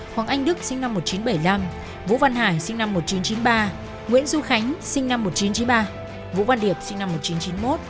hoàng anh đức sinh năm một nghìn chín trăm bảy mươi năm vũ văn hải sinh năm một nghìn chín trăm chín mươi ba nguyễn du khánh sinh năm một nghìn chín trăm chín mươi ba vũ văn điệp sinh năm một nghìn chín trăm chín mươi một